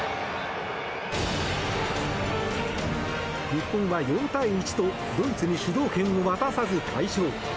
日本は４対１とドイツに主導権を渡さず快勝。